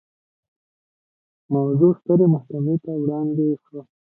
موضوع سترې محکمې ته وړاندې شوه.